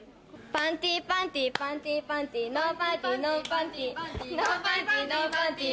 パンティーパンティーパンティーパンティーノーパンティーノーパンティー。